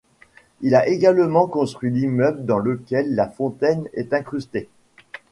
Il a également construit l'immeuble dans lequel la fontaine est incrustée.